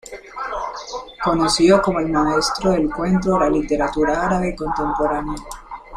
Conocido como el maestro del cuento de la literatura árabe contemporánea.